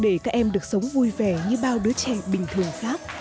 để các em được sống vui vẻ như bao đứa trẻ bình thường khác